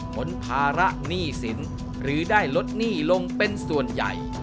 ผลภาระหนี้สินหรือได้ลดหนี้ลงเป็นส่วนใหญ่